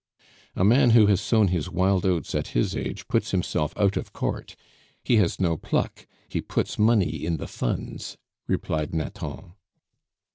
"A man who has sown his wild oats at his age puts himself out of court. He has no pluck; he puts money in the funds," replied Nathan.